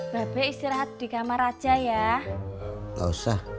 nggak cukup baru tahu